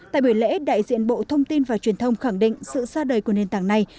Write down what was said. tại buổi lễ đại diện bộ thông tin và truyền thông khẳng định sự ra đời của nền tảng này